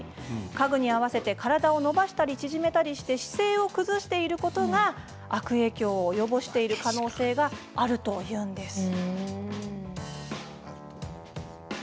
家具に合わせて体を伸ばしたり縮めたりして姿勢を崩していることが悪影響を及ぼしている可能性があるといいます。